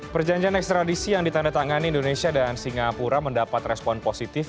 perjanjian ekstradisi yang ditandatangani indonesia dan singapura mendapat respon positif